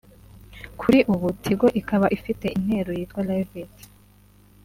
Kuri ubu Tigo ikaba ifite intero yitwa ‘Live it